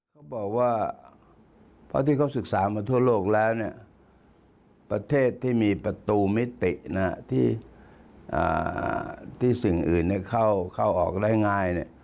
เขาบอกว่าเพราะที่เขาศึกษามาทั่วโลกแล้วประเทศที่มีประตูมิติที่สิ่งอื่นเข้าออกได้ง่าย